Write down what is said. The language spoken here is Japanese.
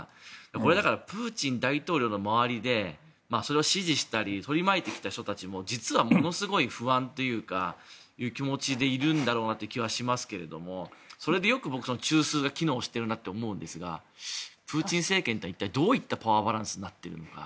これ、だからプーチン大統領の周りでそれを支持したり取り巻いてきた人たちも実は、ものすごい不安という気持ちでいるんだろうなという気はしますけどそれでよく中枢が機能してるなと思うんですがプーチン政権とは、一体どういったパワーバランスになっているのか。